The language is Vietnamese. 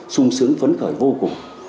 sung sướng phấn khởi vô cùng